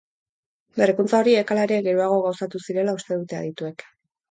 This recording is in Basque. Berrikuntza horiek, hala ere, geroago gauzatu zirela uste dute adituek.